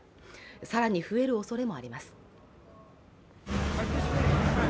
更に増えるおそれもあります。